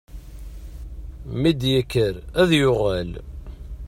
Mi d-yekker ad yuɣal.